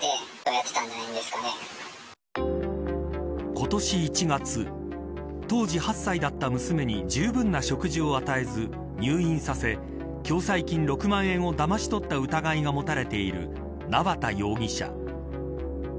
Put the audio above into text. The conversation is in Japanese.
今年１月、当時８歳だった娘にじゅうぶんな食事を与えず入院させ共済金６万円をだまし取った疑いが持たれている縄田容疑者。